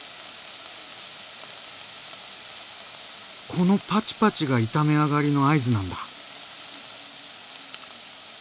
このパチパチが炒め上がりの合図なんだ。